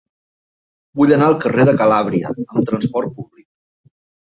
Vull anar al carrer de Calàbria amb trasport públic.